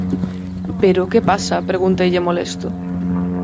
_Pero ¿que pasa? _pregunteille molesto.